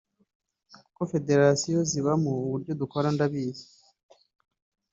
kuko federation nzibamo uburyo dukora ndabizi